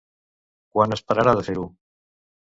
Quan es pararà de fer-ho?